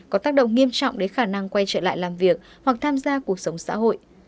có tác động nghiêm trọng đến khả năng quay trở lại làm việc hoặc tham gia cuộc sống xã hội